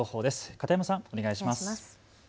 片山さん、お願いします。